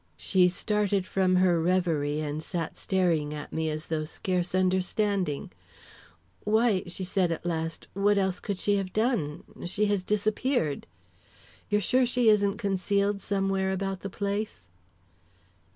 She started from her reverie, and sat staring at me as though scarce understanding. "Why," she said at last, "what else could she have done? She has disappeared " "You're sure she isn't concealed somewhere about the place?"